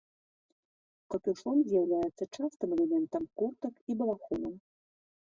Капюшон з'яўляецца частым элементам куртак і балахонаў.